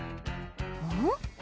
うん？